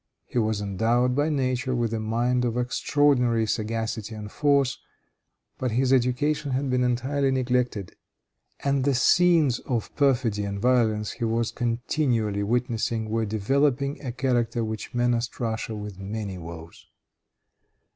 He was endowed by nature with a mind of extraordinary sagacity and force, but his education had been entirely neglected, and the scenes of perfidy and violence he was continually witnessing were developing, a character which menaced Russia with many woes.